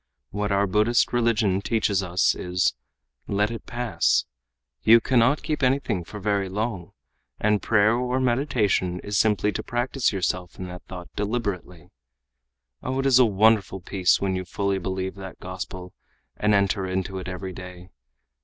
What our Buddhist religion teaches us is: 'Let it pass!' You cannot keep anything for very long. And prayer or meditation is simply to practice yourself in that thought deliberately. Oh, it is a wonderful peace when you fully believe that gospel, and enter into it every day.